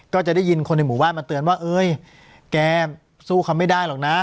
ก็จะได้ยินคนในหมู่บ้านมาเตือนว่าเอ้ยแกสู้เขาไม่ได้หรอกนะ